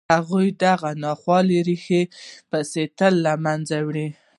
هغوی د دغو ناخوالو په ریښو پسې تلل او له منځه یې وړل